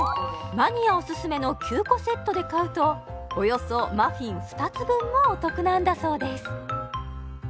マニアおすすめの９個セットで買うとおよそマフィン２つ分もお得なんだそうです